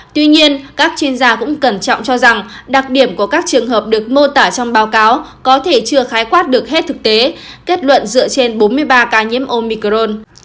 tuy nhiên các chuyên gia cũng cẩn trọng cho rằng đặc điểm của các trường hợp được mô tả trong báo cáo có thể chưa khái quát được hết thực tế kết luận dựa trên bốn mươi ba ca nhiễm omicron